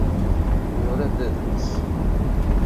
Yura-d adlis.